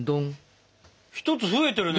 １つ増えてるね